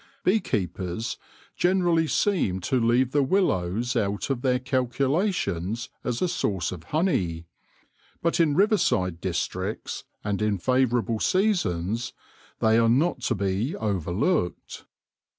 Bee keepers generally seem to leave the willows out of their calculations as a source of honey, but in riverside districts, and in favourable seasons, they are not to be overlooked.